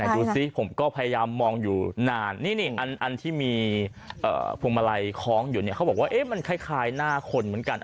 ดูสิผมก็พยายามมองอยู่นานนี่อันที่มีพวงมาลัยคล้องอยู่เนี่ยเขาบอกว่ามันคล้ายหน้าคนเหมือนกัน